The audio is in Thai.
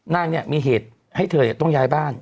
นางเนี่ยมีเหตุให้เธอต้องย้ายบ้าน